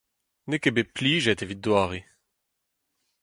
N'eo ket bet plijet evit doare.